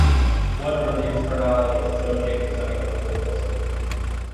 What are the externalities associated with setting up a business?